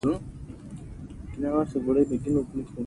ته پکې څه مه وايه